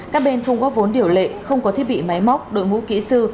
các bên không góp vốn điều lệ không có thiết bị máy móc đội ngũ kỹ sư